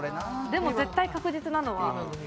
でも絶対確実なのは。